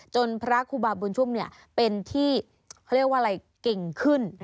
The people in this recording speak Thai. พระครูบาบุญชุมเนี่ยเป็นที่เขาเรียกว่าอะไรเก่งขึ้น